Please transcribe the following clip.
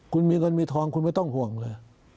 คุณมีเงินมีทองคุณไม่ต้องห่วงเลย